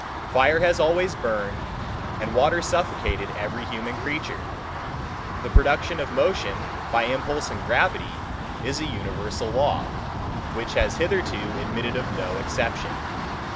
Fire has always burned, and water suffocated every human creature: The production of motion by impulse and gravity is an universal law, which has hitherto admitted of no exception.